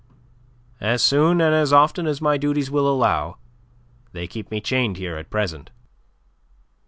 "As soon and as often as my duties will allow. They keep me chained here at present."